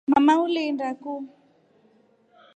Mama ulinda ku.